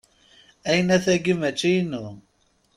Ayennat-agi mačči inu.